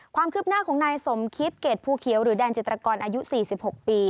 ความคืบหน้าของนายสมคิดเกรดภูเขียวหรือแดนจิตรกรอายุ๔๖ปี